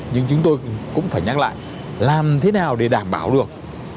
nhưng chúng tôi cũng phải nhắc lại làm thế nào để đảm bảo được